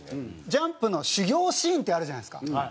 『ジャンプ』の修行シーンってあるじゃないですか。